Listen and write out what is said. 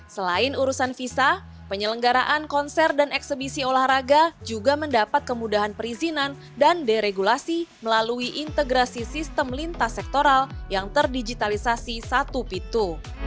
selain urusan visa penyelenggaraan konser dan eksebisi olahraga juga mendapat kemudahan perizinan dan deregulasi melalui integrasi sistem lintas sektoral yang terdigitalisasi satu pintu